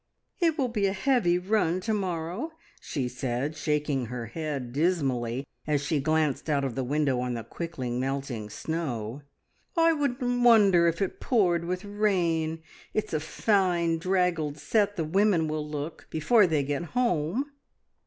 "It will be a heavy run to morrow," she said, shaking her head dismally as she glanced out of the window on the quickly melting snow. "I wouldn't wonder if it poured with rain! It's a fine draggled set the women will look before they get home."